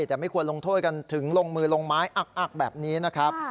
แต่ไม่ควรลงโทษกันถึงลงมือลงไม้อักแบบนี้นะครับ